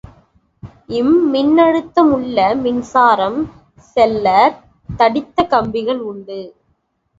இம்மின்னழுத்தமுள்ள மின்சாரம் செல்லத் தடித்த கம்பிகள் உண்டு.